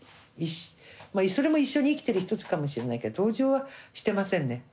それも一緒に生きてる一つかもしれないけど同情はしてませんね。